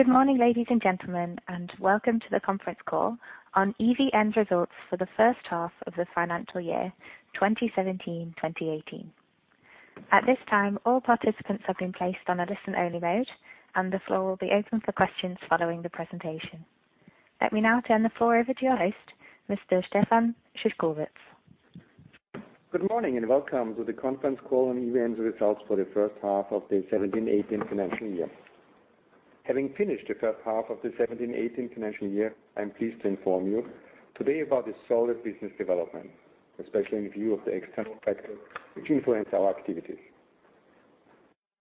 Good morning, ladies and gentlemen, welcome to the conference call on EVN's results for the first half of the financial year 2017/2018. At this time, all participants have been placed on a listen-only mode, and the floor will be open for questions following the presentation. Let me now turn the floor over to your host, Mr. Stefan Szyszkowitz. Good morning and welcome to the conference call on EVN's results for the first half of the 2017/2018 financial year. Having finished the first half of the 2017/2018 financial year, I am pleased to inform you today about the solid business development, especially in view of the external factors which influence our activities.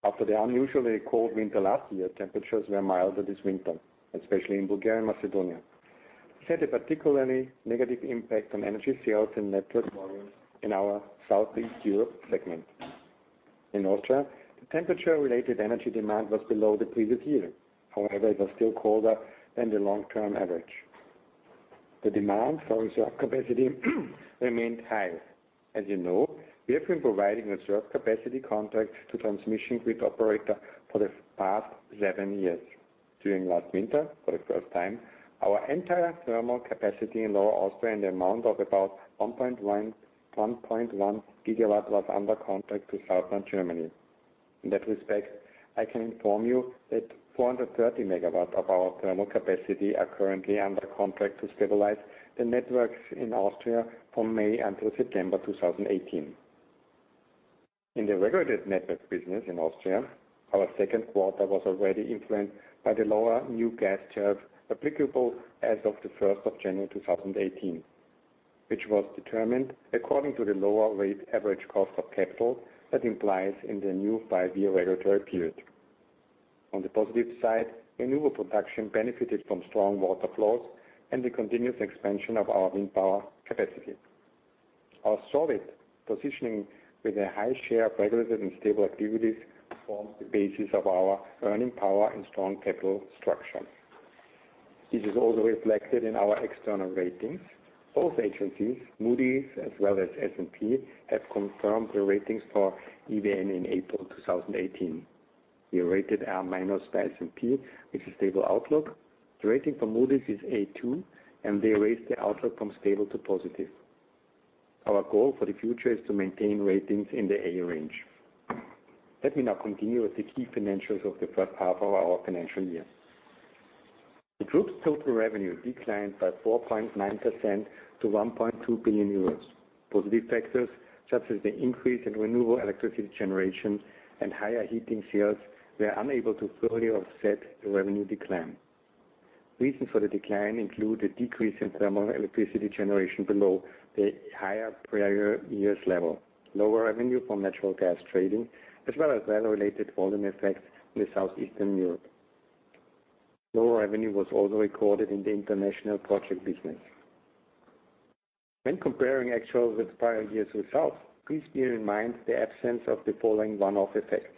After the unusually cold winter last year, temperatures were milder this winter, especially in Bulgaria and Macedonia. This had a particularly negative impact on energy sales and network volumes in our Southeast Europe segment. In Austria, the temperature-related energy demand was below the previous year. However, it was still colder than the long-term average. The demand for reserve capacity remained high. As you know, we have been providing reserve capacity contracts to transmission grid operator for the past seven years. During last winter, for the first time, our entire thermal capacity in Lower Austria in the amount of about 1.1 gigawatt was under contract to southern Germany. In that respect, I can inform you that 430 megawatts of our thermal capacity are currently under contract to stabilize the networks in Austria from May until September 2018. In the regulated network business in Austria, our second quarter was already influenced by the lower new gas tariff applicable as of the 1st of January 2018, which was determined according to the lower rate average cost of capital that implies in the new five-year regulatory period. On the positive side, renewable production benefited from strong water flows and the continuous expansion of our wind power capacity. Our solid positioning with a high share of regulated and stable activities forms the basis of our earning power and strong capital structure. This is also reflected in our external ratings. Both agencies, Moody's as well as S&P, have confirmed the ratings for EVN in April 2018. We are rated A- by S&P, with a stable outlook. The rating for Moody's is A2, and they raised the outlook from stable to positive. Our goal for the future is to maintain ratings in the A range. Let me now continue with the key financials of the first half of our financial year. The group's total revenue declined by 4.9% to 1.2 billion euros. Positive factors such as the increase in renewable electricity generation and higher heating sales were unable to fully offset the revenue decline. Reasons for the decline include a decrease in thermal electricity generation below the higher prior year's level, lower revenue from natural gas trading, as well as weather-related volume effects in the Southeastern Europe. Lower revenue was also recorded in the international project business. When comparing actual with prior year's results, please bear in mind the absence of the following one-off effects.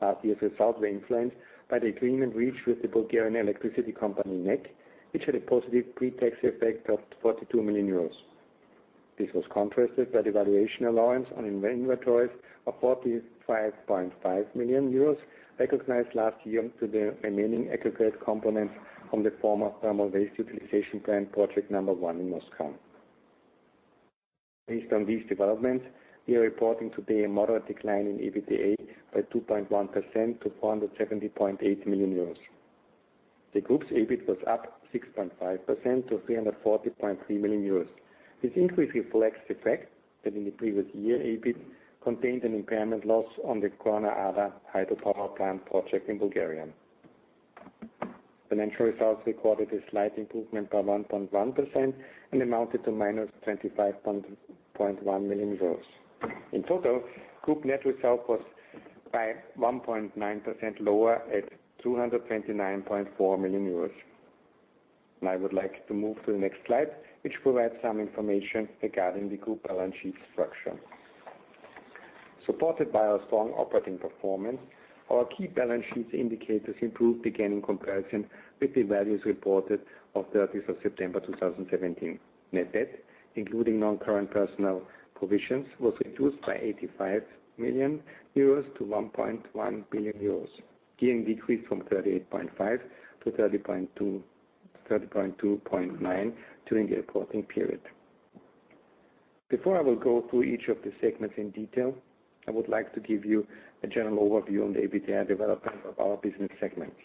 Last year's results were influenced by the agreement reached with the Bulgarian electricity company, NEK, which had a positive pre-tax effect of 42 million euros. This was contrasted by the valuation allowance on inventories of 45.5 million euros recognized last year to the remaining aggregate components from the former thermal waste utilization plant project number one in Moscow. Based on these developments, we are reporting today a moderate decline in EBITDA by 2.1% to 470.8 million euros. The group's EBIT was up 6.5% to 340.3 million euros. This increase reflects the fact that in the previous year, EBIT contained an impairment loss on the Gorna Arda hydropower plant project in Bulgaria. Financial results recorded a slight improvement by 1.1% and amounted to minus 25.1 million euros. In total, group net result was by 1.9% lower at 229.4 million. I would like to move to the next slide, which provides some information regarding the group balance sheet structure. Supported by our strong operating performance, our key balance sheets indicators improved again in comparison with the values reported of 30th of September 2017. Net debt, including non-current personnel provisions, was reduced by 85 million euros to 1.1 billion euros, seeing decrease from 38.5 to 32.9 during the reporting period. Before I will go through each of the segments in detail, I would like to give you a general overview on the EBITDA development of our business segments.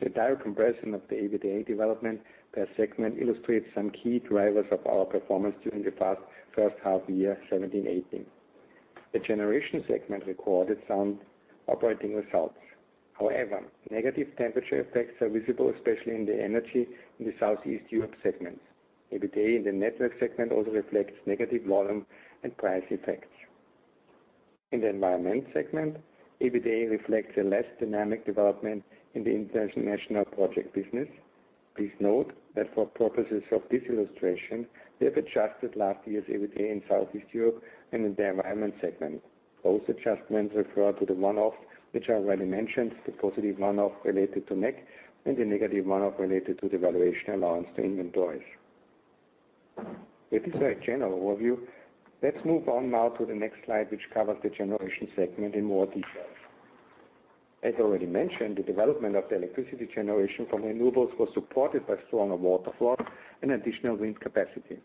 The direct comparison of the EBITDA development per segment illustrates some key drivers of our performance during the past first half year, 2017/2018. The generation segment recorded some operating results. However, negative temperature effects are visible, especially in the energy in the Southeast Europe segments. EBITDA in the network segment also reflects negative volume and price effects. In the environment segment, EBITDA reflects a less dynamic development in the international project business. Please note that for purposes of this illustration, we have adjusted last year's EBITDA in Southeast Europe and in the environment segment. Both adjustments refer to the one-offs, which I already mentioned, the positive one-off related to NEK and the negative one-off related to the valuation allowance to inventories. It is a general overview. Let's move on now to the next slide, which covers the generation segment in more detail. As already mentioned, the development of the electricity generation from renewables was supported by stronger water flow and additional wind capacity.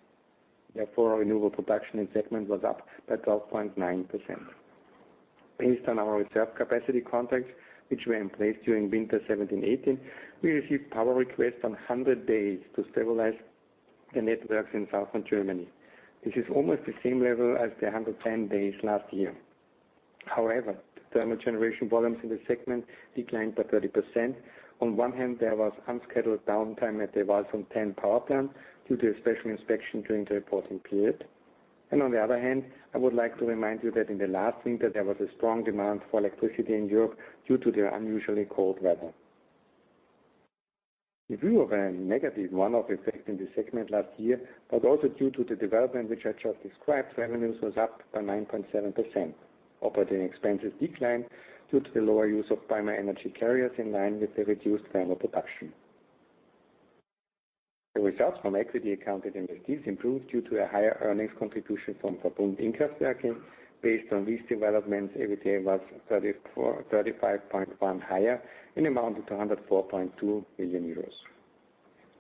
Therefore, renewable production in segment was up by 12.9%. Based on our reserve capacity contracts, which were in place during winter 2017/2018, we received power requests on 100 days to stabilize the networks in Southern Germany. This is almost the same level as the 110 days last year. However, the thermal generation volumes in the segment declined by 30%. On one hand, there was unscheduled downtime at the Walsum 10 power plant due to a special inspection during the reporting period. On the other hand, I would like to remind you that in the last winter, there was a strong demand for electricity in Europe due to the unusually cold weather. In view of a negative one-off effect in this segment last year, but also due to the development which I just described, revenues was up by 9.7%. Operating expenses declined due to the lower use of primary energy carriers in line with the reduced thermal production. The results from equity accounted entities improved due to a higher earnings contribution from VERBUND Kraftwerke. Based on these developments, EBITDA was 35.1% higher and amounted to 104.2 million euros.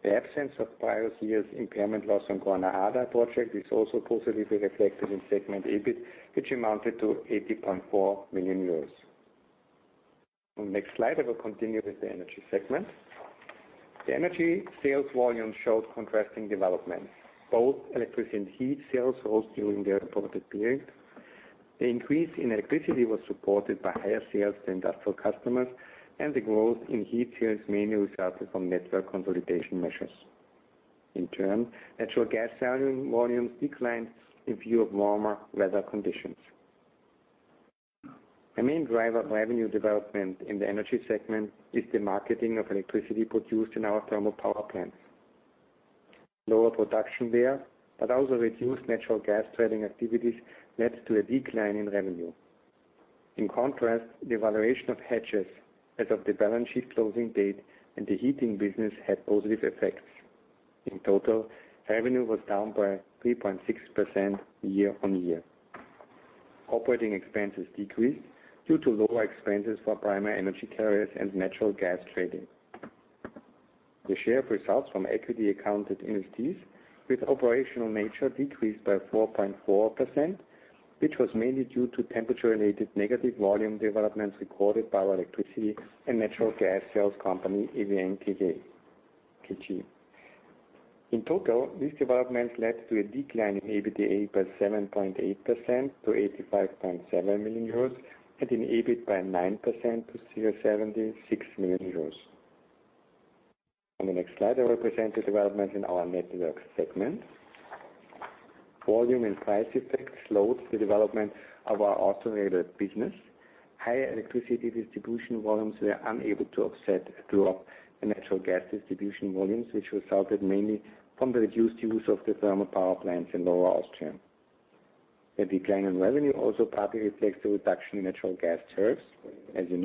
The absence of prior year's impairment loss on Gorna Arda project is also positively reflected in segment EBIT, which amounted to 80.4 million euros. On the next slide, I will continue with the energy segment. The energy sales volume showed contrasting development, both electric and heat sales rose during the reported period. The increase in electricity was supported by higher sales to industrial customers, and the growth in heat sales mainly resulted from network consolidation measures. In turn, natural gas selling volumes declined in view of warmer weather conditions. A main driver of revenue development in the energy segment is the marketing of electricity produced in our thermal power plants. Lower production there, but also reduced natural gas trading activities led to a decline in revenue. In contrast, the valuation of hedges as of the balance sheet closing date and the heating business had positive effects. In total, revenue was down by 3.6% year-on-year. Operating expenses decreased due to lower expenses for primary energy carriers and natural gas trading. The share of results from equity accounted entities with operational nature decreased by 4.4%, which was mainly due to temperature-related negative volume developments recorded by our electricity and natural gas sales company, EVN KG. In total, these developments led to a decline in EBITDA by 7.8% to 85.7 million euros and in EBIT by 9% to 76 million euros. On the next slide, I will present the development in our networks segment. Volume and price effects slowed the development of our automated business. Higher electricity distribution volumes were unable to offset a drop in natural gas distribution volumes, which resulted mainly from the reduced use of the thermal power plants in Lower Austria. The decline in revenue also partly reflects the reduction in natural gas tariffs. As you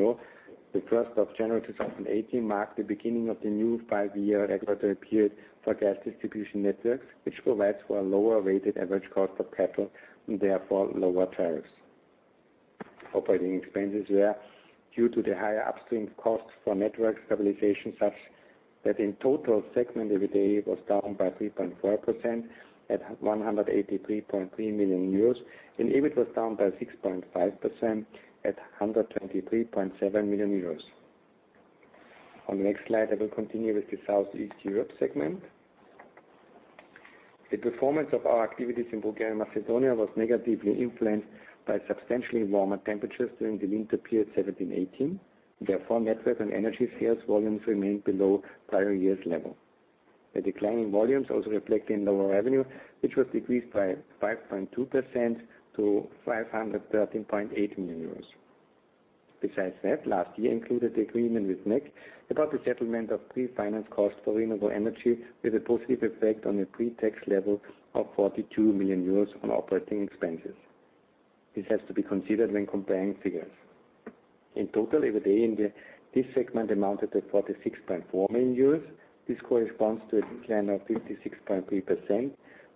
know, the 1st of January 2018 marked the beginning of the new five-year regulatory period for gas distribution networks, which provides for a lower weighted average cost of capital and therefore lower tariffs. Operating expenses were due to the higher upstream costs for network stabilization, such that in total segment EBITDA was down by 3.4% at 183.3 million euros, and EBIT was down by 6.5% at 123.7 million euros. On the next slide, I will continue with the Southeast Europe segment. The performance of our activities in Bulgaria and Macedonia was negatively influenced by substantially warmer temperatures during the winter period 2017/2018. Therefore, network and energy sales volumes remained below prior year's level. The decline in volumes also reflected in lower revenue, which was decreased by 5.2% to 513.8 million euros. Besides that, last year included the agreement with NEK about the settlement of pre-finance costs for renewable energy with a positive effect on a pre-tax level of 42 million euros on operating expenses. This has to be considered when comparing figures. In total, EBITDA in this segment amounted to 46.4 million euros. This corresponds to a decline of 56.3%.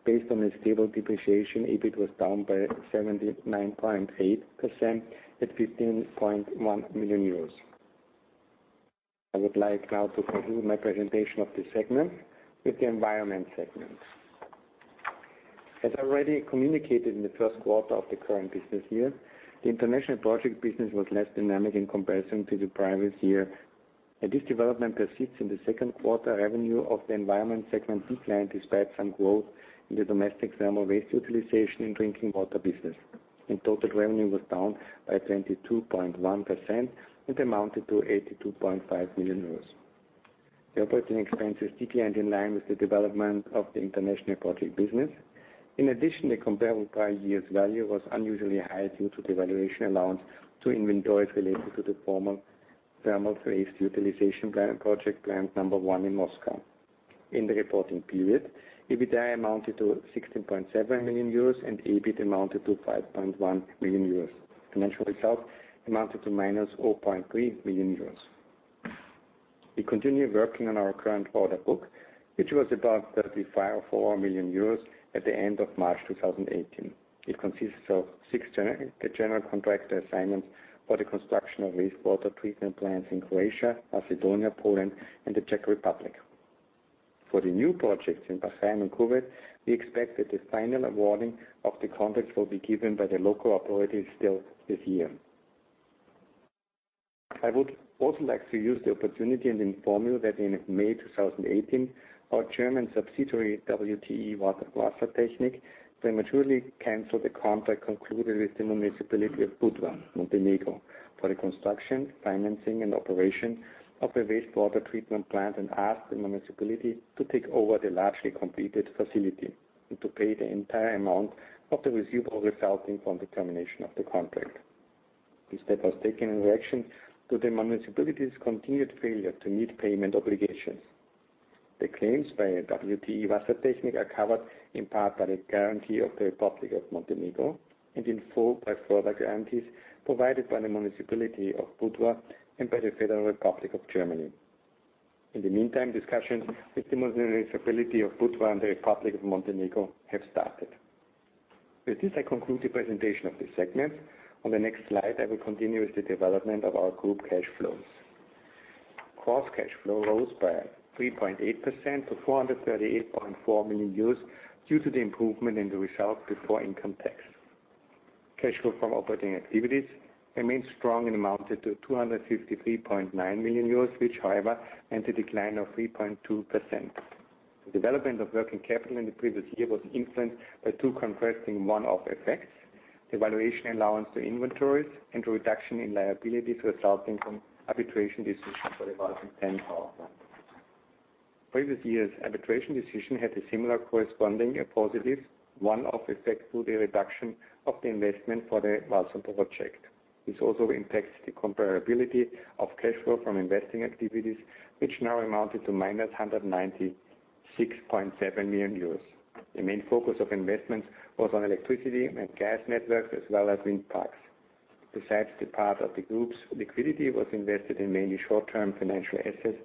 Based on a stable depreciation, EBIT was down by 79.8% at 15.1 million euros. I would like now to conclude my presentation of this segment with the environment segment. As already communicated in the first quarter of the current business year, the international project business was less dynamic in comparison to the previous year. This development persists in the second quarter, revenue of the environment segment declined despite some growth in the domestic thermal waste utilization and drinking water business. In total, revenue was down by 22.1% and amounted to 82.5 million euros. The operating expenses declined in line with the development of the international project business. In addition, the comparable prior year's value was unusually high due to the valuation allowance to inventories related to the former thermal waste utilization project plant number 1 in Moscow. In the reporting period, EBITDA amounted to 16.7 million euros, and EBIT amounted to 5.1 million euros. Financial result amounted to minus 0.3 million euros. We continue working on our current order book, which was about 35.4 million euros at the end of March 2018. It consists of six general contractor assignments for the construction of wastewater treatment plants in Croatia, Macedonia, Poland, and the Czech Republic. For the new projects in Bahrain and Kuwait, we expect that the final awarding of the contracts will be given by the local authorities still this year. I would also like to use the opportunity and inform you that in May 2018, our German subsidiary, WTE Wassertechnik, prematurely canceled the contract concluded with the Municipality of Budva, Montenegro, for the construction, financing, and operation of a wastewater treatment plant and asked the municipality to take over the largely completed facility and to pay the entire amount of the receivable resulting from the termination of the contract. This step was taken in reaction to the municipality's continued failure to meet payment obligations. The claims by WTE Wassertechnik are covered in part by the guarantee of the Republic of Montenegro and in full by further guarantees provided by the Municipality of Budva and by the Federal Republic of Germany. In the meantime, discussions with the Municipality of Budva and the Republic of Montenegro have started. With this, I conclude the presentation of this segment. On the next slide, I will continue with the development of our group cash flows. Gross cash flow rose by 3.8% to 438.4 million euros, due to the improvement in the result before income tax. Cash flow from operating activities remained strong and amounted to 253.9 million euros, which however, had a decline of 3.2%. The development of working capital in the previous year was influenced by two contrasting one-off effects, the valuation allowance to inventories and the reduction in liabilities resulting from arbitration decisions for the Walsum 10 power plant. Previous year's arbitration decision had a similar corresponding positive one-off effect through the reduction of the investment for the Walsum project. This also impacts the comparability of cash flow from investing activities, which now amounted to minus 196.7 million euros. The main focus of investments was on electricity and gas networks, as well as wind parks. Besides the part of the group's liquidity was invested in mainly short-term financial assets,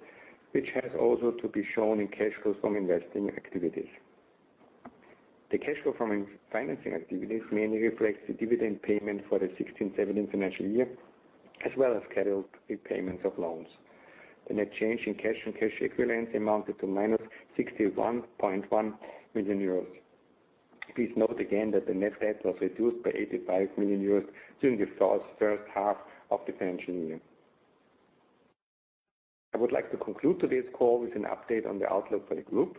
which has also to be shown in cash flows from investing activities. The cash flow from financing activities mainly reflects the dividend payment for the 2016/2017 financial year, as well as scheduled repayments of loans. The net change in cash and cash equivalents amounted to minus 61.1 million euros. Please note again that the net debt was reduced by 85 million euros during the first half of the financial year. I would like to conclude today's call with an update on the outlook for the group.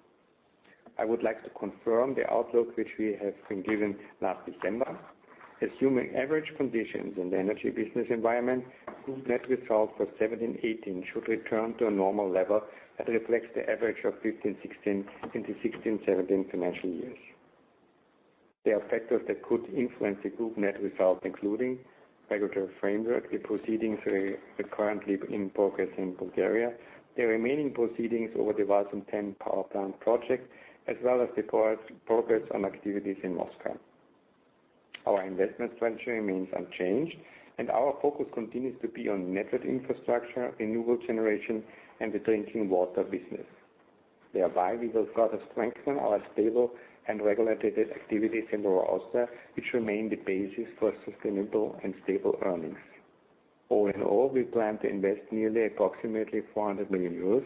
I would like to confirm the outlook, which we have been given last December. Assuming average conditions in the energy business environment, group net results for 2017/2018 should return to a normal level that reflects the average of 2015/2016 into 2016/2017 financial years. There are factors that could influence the group net result, including regulatory framework, the proceedings that are currently in progress in Bulgaria, the remaining proceedings over the Walsum 10 power plant project, as well as the progress on activities in Moscow. Our investment strategy remains unchanged, and our focus continues to be on network infrastructure, renewable generation, and the drinking water business. Thereby, we will further strengthen our stable and regulated activities in Lower Austria, which remain the basis for sustainable and stable earnings. All in all, we plan to invest approximately 400 million euros.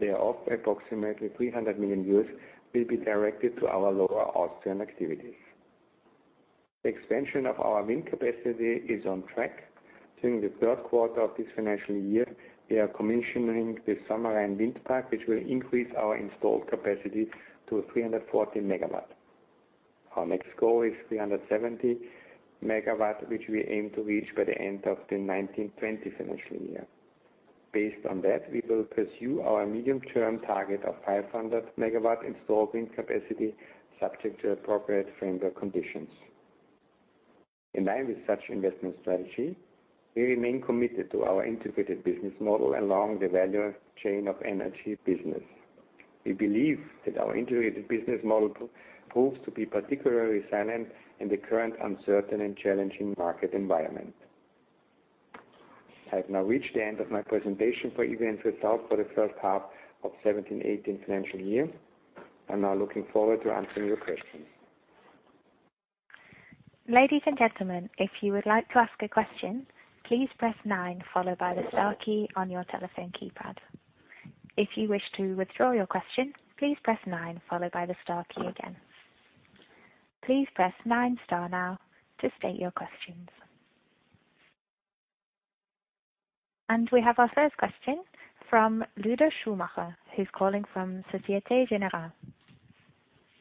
Thereof, approximately 300 million euros will be directed to our Lower Austrian activities. The expansion of our wind capacity is on track. During the third quarter of this financial year, we are commissioning the Sommerrain Wind Park, which will increase our installed capacity to 340 megawatts. Our next goal is 370 megawatts, which we aim to reach by the end of the 2019/2020 financial year. Based on that, we will pursue our medium-term target of 500 megawatt installed wind capacity, subject to appropriate framework conditions. In line with such investment strategy, we remain committed to our integrated business model along the value chain of energy business. We believe that our integrated business model proves to be particularly salient in the current uncertain and challenging market environment. I have now reached the end of my presentation for EVN results for the first half of 2017/2018 financial year. I am now looking forward to answering your questions. Ladies and gentlemen, if you would like to ask a question, please press Nine, followed by the Star key on your telephone keypad. If you wish to withdraw your question, please press Nine followed by the Star key again. Please press Nine Star now to state your questions. And we have our first question from Ludwig Schumacher, who is calling from Société Générale.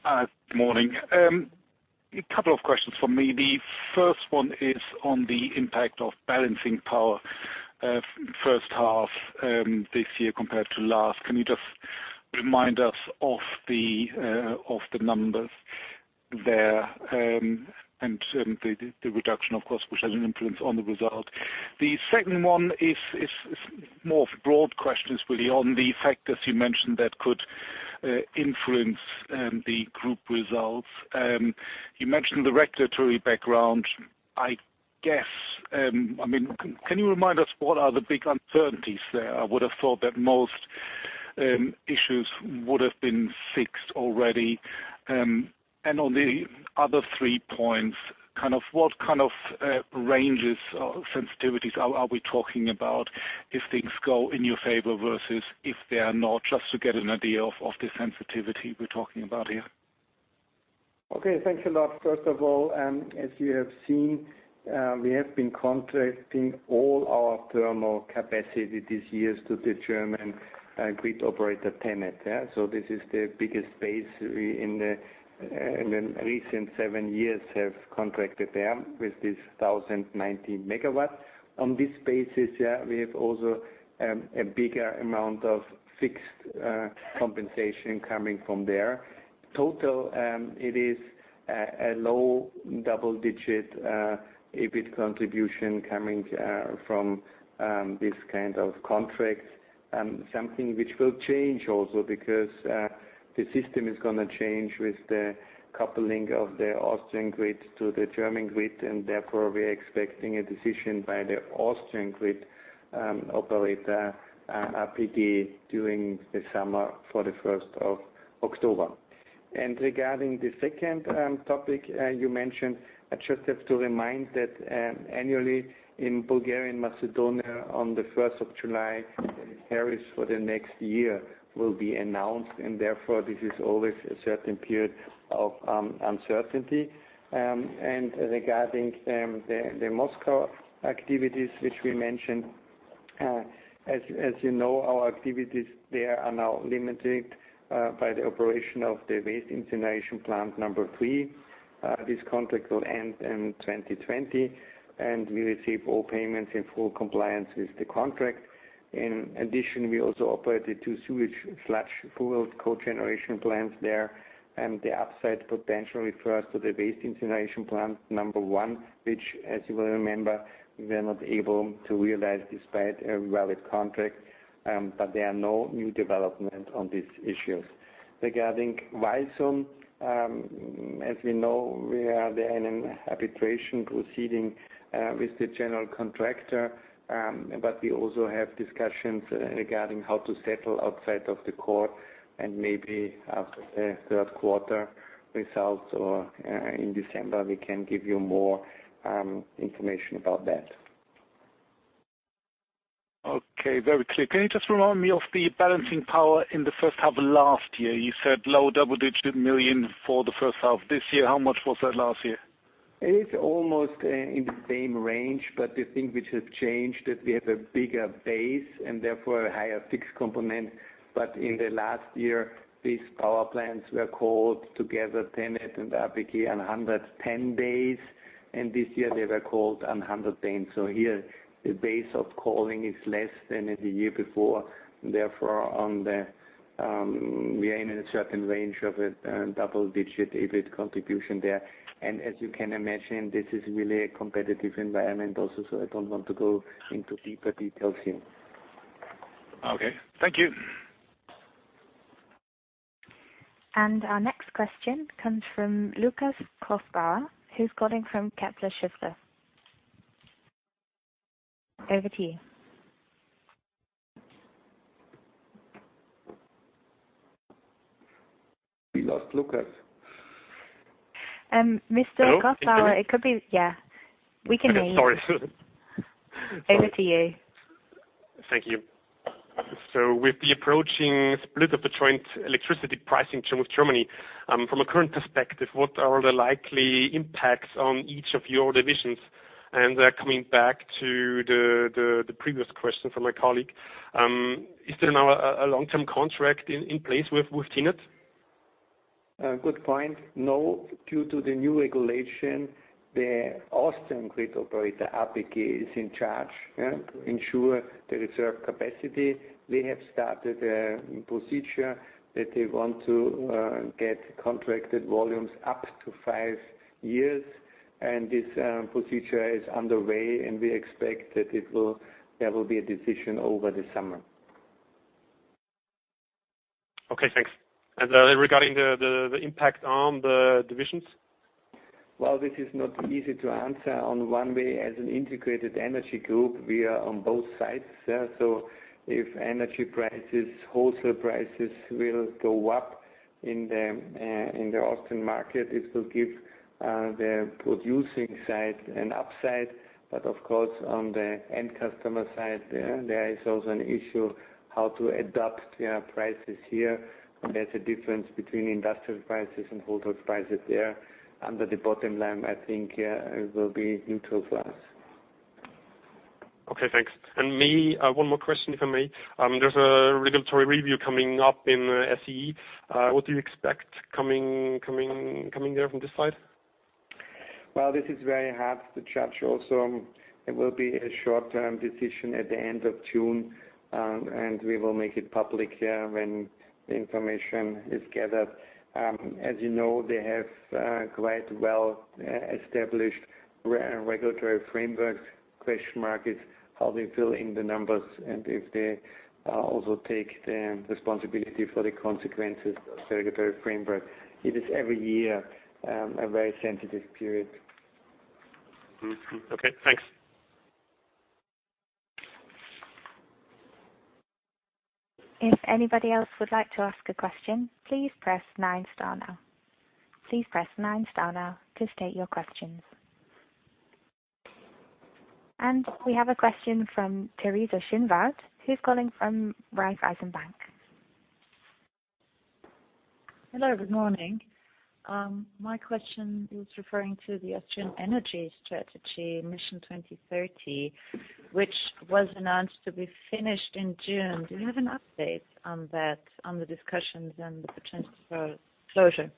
Hi. Good morning. A couple of questions from me. The first one is on the impact of balancing power first half this year compared to last. Can you just remind us of the numbers there and certainly the reduction, of course, which has an influence on the result? The second one is more of a broad question, really, on the factors you mentioned that could Influence the group results. You mentioned the regulatory background. Can you remind us what are the big uncertainties there? I would've thought that most issues would've been fixed already. On the other three points, what kind of ranges or sensitivities are we talking about if things go in your favor versus if they are not, just to get an idea of the sensitivity we're talking about here. Okay, thanks a lot. First of all, as you have seen, we have been contracting all our thermal capacity these years to the German grid operator, TenneT. This is the biggest base we, in the recent seven years, have contracted them with this 1,090 megawatts. On this basis, we have also a bigger amount of fixed compensation coming from there. Total, it is a low double-digit EBIT contribution coming from this kind of contracts. Something which will change also because the system is going to change with the coupling of the Austrian grid to the German grid. We are expecting a decision by the Austrian grid operator, APG, during the summer for the 1st of October. Regarding the second topic you mentioned, I just have to remind that annually in Bulgaria and Macedonia, on the 1st of July, the tariffs for the next year will be announced. This is always a certain period of uncertainty. Regarding the Moscow activities, which we mentioned, as you know, our activities there are now limited by the operation of the waste incineration plant number 3. This contract will end in 2020. We receive all payments in full compliance with the contract. In addition, we also operate the two sewage sludge cogeneration plants there. The upside potential refers to the waste incineration plant number 1, which, as you will remember, we were not able to realize despite a valid contract. There are no new development on these issues. Regarding Walsum, as we know, we are there in an arbitration proceeding with the general contractor. We also have discussions regarding how to settle outside of the court, and maybe after the third quarter results or in December, we can give you more information about that. Okay. Very clear. Can you just remind me of the balancing power in the first half of last year? You said low double-digit million for the first half of this year. How much was that last year? It is almost in the same range. The thing which has changed, that we have a bigger base and therefore a higher fixed component. In the last year, these power plants were called together, TenneT and APG, 110 days, and this year they were called 100. Here the base of calling is less than in the year before, therefore, we are in a certain range of a double-digit EUR EBIT contribution there. As you can imagine, this is really a competitive environment also. I don't want to go into deeper details here. Okay. Thank you. Our next question comes from Lukas Kofler, who's calling from Kepler Cheuvreux. Over to you. We lost Lukas. Mr. Kofler. Hello? Yeah. We can hear you. Okay. Sorry Over to you. Thank you. With the approaching split of the joint electricity price in Germany, from a current perspective, what are the likely impacts on each of your divisions? Coming back to the previous question from my colleague, is there now a long-term contract in place with TenneT? A good point. No. Due to the new regulation, the Austrian grid operator, APG, is in charge to ensure the reserve capacity. They have started a procedure that they want to get contracted volumes up to five years, and this procedure is underway, and we expect that there will be a decision over the summer. Okay, thanks. Regarding the impact on the divisions? Well, this is not easy to answer. On one way, as an integrated energy group, we are on both sides. If energy prices, wholesale prices, will go up in the Austrian market, it will give the producing side an upside. Of course, on the end customer side, there is also an issue how to adapt prices here. There's a difference between industrial prices and wholesale prices there. Under the bottom line, I think it will be neutral for us. Okay, thanks. One more question, if I may. There's a regulatory review coming up in SEE. What do you expect coming there from this side? Well, this is very hard to judge also. It will be a short-term decision at the end of June, and we will make it public when the information is gathered. As you know, they have quite well-established regulatory frameworks. Question mark is how they fill in the numbers and if they also take the responsibility for the consequences of the regulatory framework. It is, every year, a very sensitive period. Okay, thanks. If anybody else would like to ask a question, please press nine star now. Please press nine star now to state your questions. We have a question from Teresa Schinwald, who's calling from Raiffeisen Bank. Hello, good morning. My question is referring to the Austrian energy strategy, Mission 2030, which was announced to be finished in June. Do you have an update on the discussions and the potential for closure?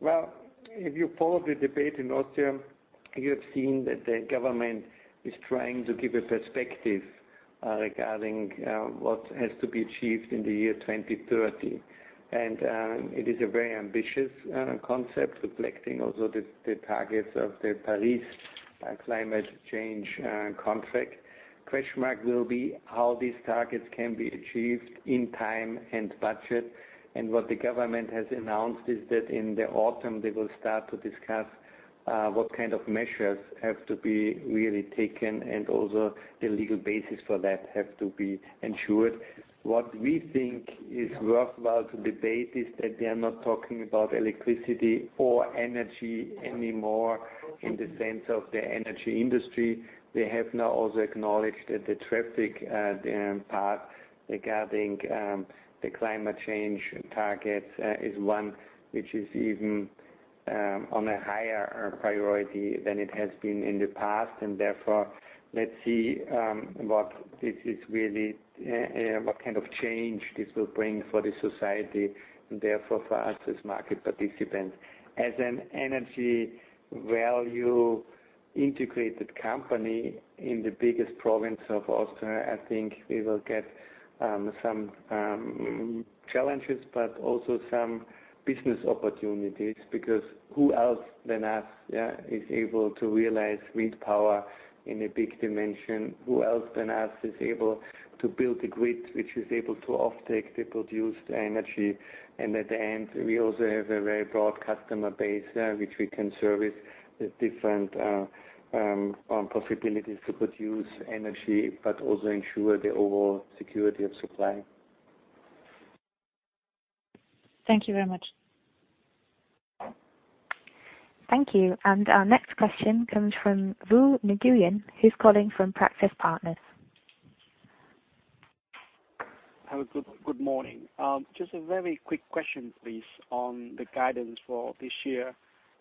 Well, if you follow the debate in Austria, you have seen that the government is trying to give a perspective regarding what has to be achieved in the year 2030. It is a very ambitious concept reflecting also the targets of the Paris Agreement. Question mark will be how these targets can be achieved in time and budget. What the government has announced is that in the autumn, they will start to discuss what kind of measures have to be really taken, and also the legal basis for that have to be ensured. What we think is worthwhile to debate is that they are not talking about electricity or energy anymore in the sense of the energy industry. They have now also acknowledged that the traffic part regarding the climate change targets is one which is even on a higher priority than it has been in the past. Therefore, let's see what kind of change this will bring for the society and therefore for us as market participants. As an energy value integrated company in the biggest province of Austria, I think we will get some challenges, but also some business opportunities, because who else than us is able to realize wind power in a big dimension? Who else than us is able to build a grid which is able to offtake the produced energy? At the end, we also have a very broad customer base there, which we can service with different possibilities to produce energy, but also ensure the overall security of supply. Thank you very much. Thank you. Our next question comes from Vu Nguyen, who's calling from Praxis Partners. Have a good morning. Just a very quick question, please, on the guidance for this year.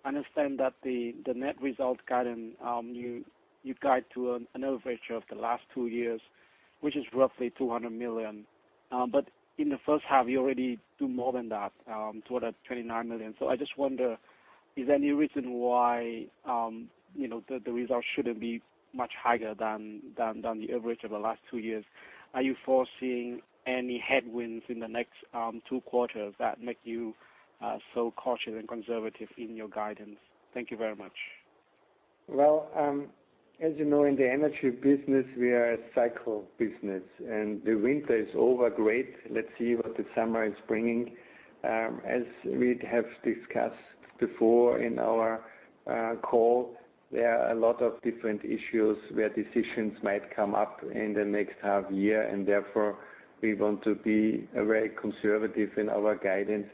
I understand that the net result guidance, you guide to an average of the last two years, which is roughly 200 million. In the first half, you already do more than that, 229 million. I just wonder, is there any reason why the results shouldn't be much higher than the average of the last two years? Are you foreseeing any headwinds in the next two quarters that make you so cautious and conservative in your guidance? Thank you very much. Well, as you know, in the energy business, we are a cycle business, and the winter is over. Great. Let's see what the summer is bringing. As we have discussed before in our call, there are a lot of different issues where decisions might come up in the next half year, and therefore we want to be very conservative in our guidance,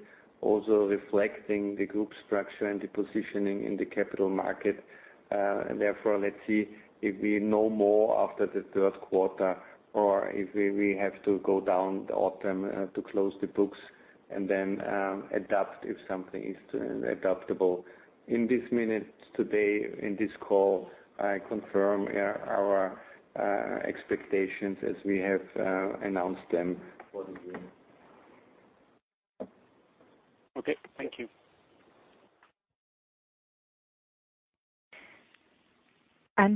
also reflecting the group structure and the positioning in the capital market. Let's see if we know more after the third quarter or if we have to go down the autumn to close the books and then adapt if something is adaptable. In this minute today, in this call, I confirm our expectations as we have announced them for the year. Okay. Thank you.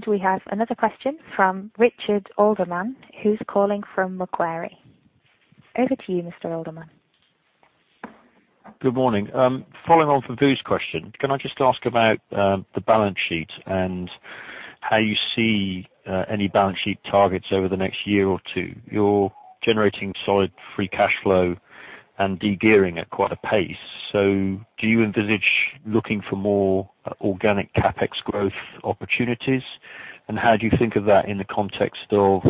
We have another question from Richard Alderman, who's calling from Macquarie. Over to you, Mr. Alderman. Good morning. Following on from Vu's question, can I just ask about the balance sheet and how you see any balance sheet targets over the next year or two? You're generating solid free cash flow and de-gearing at quite a pace. Do you envisage looking for more organic CapEx growth opportunities? How do you think of that in the context of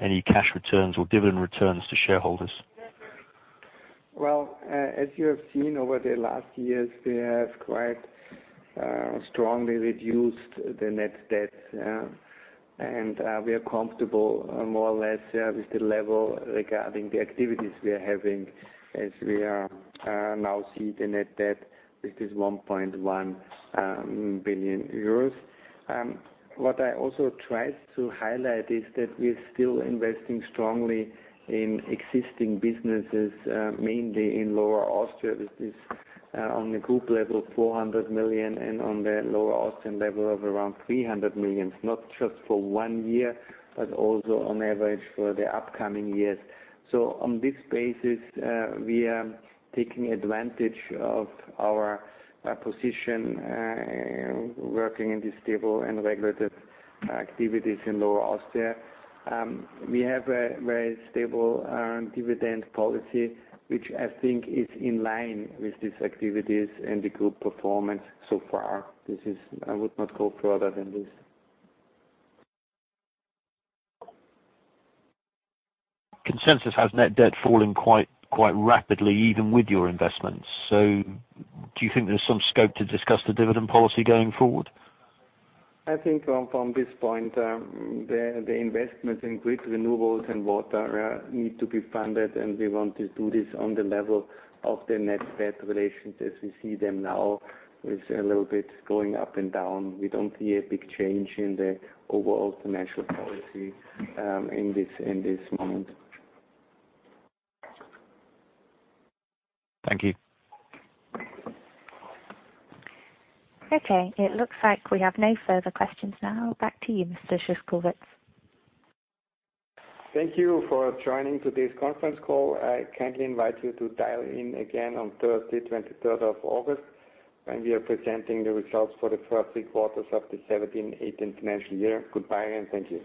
any cash returns or dividend returns to shareholders? Well, as you have seen over the last years, we have quite strongly reduced the net debt, and we are comfortable more or less with the level regarding the activities we are having as we are now seeing the net debt, which is 1.1 billion euros. What I also tried to highlight is that we are still investing strongly in existing businesses, mainly in Lower Austria. This is on a group level of 400 million and on the Lower Austrian level of around 300 million. It's not just for one year, but also on average for the upcoming years. On this basis, we are taking advantage of our position, working in the stable and regulated activities in Lower Austria. We have a very stable dividend policy, which I think is in line with these activities and the group performance so far. I would not go further than this. Consensus has net debt falling quite rapidly even with your investments. Do you think there's some scope to discuss the dividend policy going forward? I think from this point, the investments in grid renewables and water need to be funded, and we want to do this on the level of the net debt relations as we see them now. It's a little bit going up and down. We don't see a big change in the overall financial policy in this moment. Thank you. Okay, it looks like we have no further questions now. Back to you, Mr. Szyszkowitz. Thank you for joining today's conference call. I kindly invite you to dial in again on Thursday, 23rd of August, when we are presenting the results for the first three quarters of the 17/18 financial year. Goodbye and thank you.